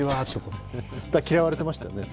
嫌われてましたよね。